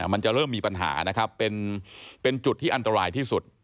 มันจะเริ่มมีปัญหานะครับเป็นจุดที่อันตรายที่สุด